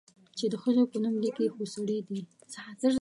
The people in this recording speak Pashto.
چې د ښځو په نوم ليکي، خو سړي دي؟